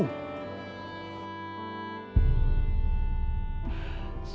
kamu sampai gak tahu